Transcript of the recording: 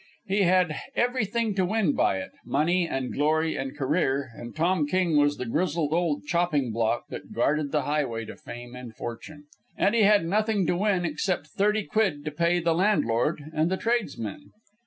He had everything to win by it money and glory and career; and Tom King was the grizzled old chopping block that guarded the highway to fame and fortune. And he had nothing to win except thirty quid, to pay to the landlord and the tradesmen.